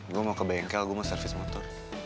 gue mau ke bengkel gue mau service motor